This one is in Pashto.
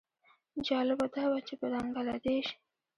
جالبه دا وه چې د بنګله دېش.